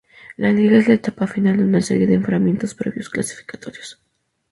La liga es la etapa final de una serie de enfrentamientos previos clasificatorios.